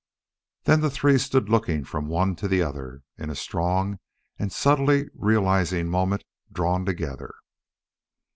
Then the three stood looking from one to the other, in a strong and subtly realizing moment drawn together.